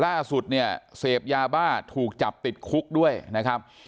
ล่าสุดเนี่ยเสพยาบ้าถูกจับติดคุกด้วยนะครับ